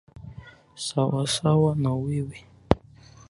Sawasawa na wewe.